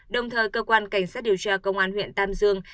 đồng thời cơ quan cảnh sát điều tra công an huyện tam dương